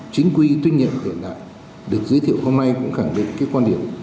chính quy tinh nhuệ hiện đại được giới thiệu hôm nay cũng khẳng định cái quan điểm